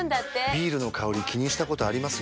ビールの香り気にしたことあります？